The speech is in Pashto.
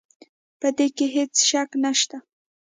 په دې کې هيڅ شک نشته